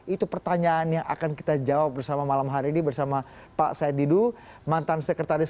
itu pertanyaan yang akan kita jawab bersama malam hari ini bersama pak said didu mantan sekretaris